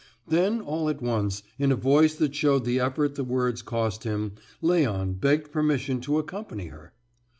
Then, all at once, in a voice that showed the effort the words cost him, Léon begged permission to accompany her.